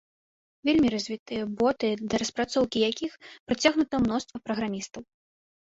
Вельмі развітыя боты, да распрацоўкі якіх прыцягнута мноства праграмістаў.